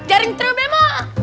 jaring terlalu bema